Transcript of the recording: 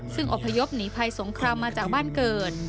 ซึ่งอพยพหนีภัยสงครามมาจากบ้านเกิด